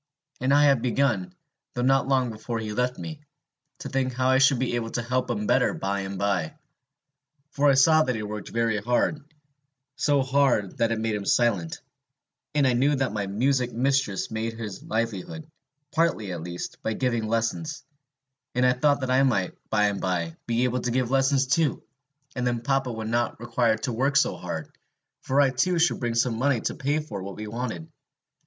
And I had begun, though not long before he left me, to think how I should be able to help him better by and by. For I saw that he worked very hard, so hard that it made him silent; and I knew that my music mistress made her livelihood, partly at least, by giving lessons; and I thought that I might, by and by, be able to give lessons too, and then papa would not require to work so hard, for I too should bring home money to pay for what we wanted.